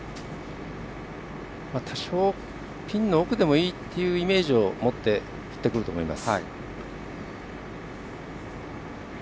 多少ピンの奥でもいいというイメージを持って振ってくると思います。